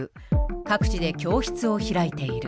各地で教室を開いている。